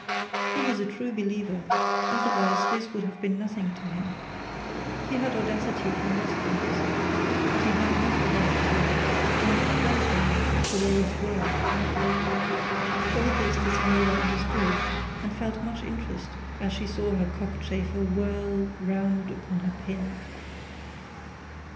He was a true believer, otherwise this would have been nothing to him. He had audacity for most things, but he had not audacity to make a plaything of the Lord's word. All this the signora understood, and felt much interest as she saw her cockchafer whirl round upon her pin.